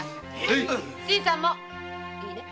新さんもいいね？